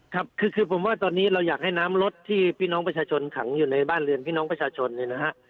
ครับคือผมว่าตอนนี้เราอยากให้น้ำรถที่พี่น้องประชาชนขังอยู่ในบ้านเรือนพี่น้องประชาชนเนี่ยนะฮะ